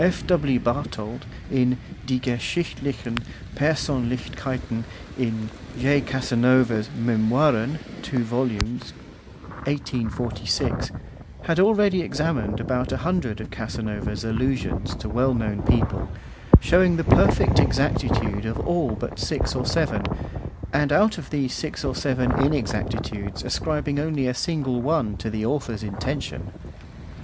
F. W. Barthold, in 'Die Geschichtlichen Personlichkeiten in J. Casanova's Memoiren,' 2 vols., 1846, had already examined about a hundred of Casanova's allusions to well known people, showing the perfect exactitude of all but six or seven, and out of these six or seven inexactitudes ascribing only a single one to the author's intention.